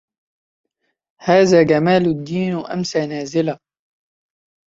هذا جمال الدين أمسى نازلا